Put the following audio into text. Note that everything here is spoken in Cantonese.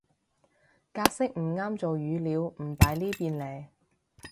格式唔啱做語料唔擺呢邊嘞